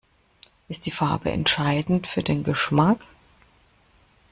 Ist die Farbe entscheidend für den Geschmack?